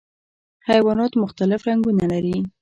حیوانات مختلف رنګونه لري.